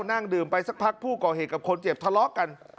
นั่งดื่มไปสักพักผู้ก่อเหตุกับคนเจ็บทะเลาะกัน